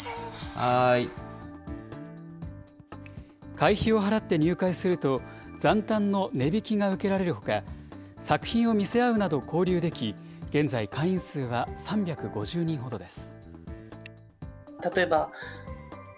会費を払って入会すると、残反の値引きが受けられるほか、作品を見せ合うなど交流でき、現在、会員数は３５０人ほどです。